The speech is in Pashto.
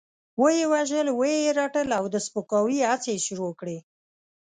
وه يې وژل، وه يې رټل او د سپکاوي هڅې يې شروع کړې.